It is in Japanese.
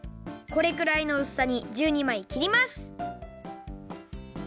これくらいのうすさに１２まいきります。